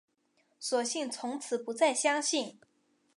索性从此不再相信